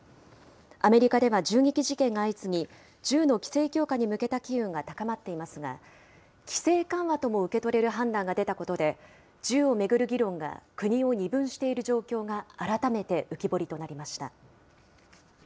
アメリカでは銃撃事件が相次ぎ、銃の規制強化に向けた機運が高まっていますが、規制緩和とも受け取れる判断が出たことで、銃を巡る議論が国を二分している状況が改めて浮き彫りとなりました。